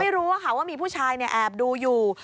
ไม่รู้ว่าค่ะว่ามีผู้ชายเนี่ยแอบดูอยู่